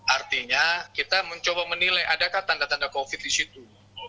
artinya kita mencoba menilai adakah tanda tanda covid di situ